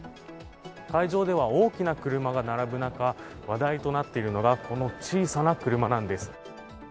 会場では大きな車が並ぶ中、話題となっているのがこの小さな車なんです。